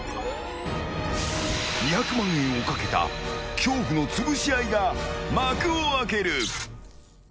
２００万円をかけた恐怖の潰し合いが幕を開ける。